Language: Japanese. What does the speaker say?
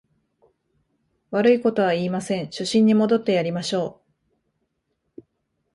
悪いことは言いません、初心に戻ってやりましょう